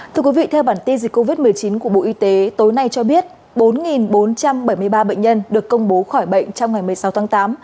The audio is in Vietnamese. thưa quý vị theo bản tin dịch covid một mươi chín của bộ y tế tối nay cho biết bốn bốn trăm bảy mươi ba bệnh nhân được công bố khỏi bệnh trong ngày một mươi sáu tháng tám